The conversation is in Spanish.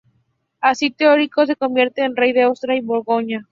Así Teoderico se convierte en rey de Austrasia y Borgoña.